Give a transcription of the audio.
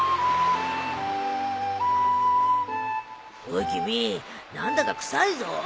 おい君何だか臭いぞ。